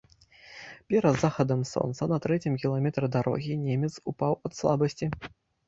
Перад захадам сонца, на трэцім кіламетры дарогі, немец упаў ад слабасці.